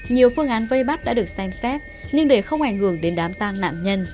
nhiều phương án vây bắt đã được xem xét nhưng để không ảnh hưởng đến đám tang nạn nhân